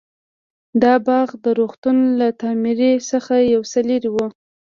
دا باغ د روغتون له تعمير څخه يو څه لرې و.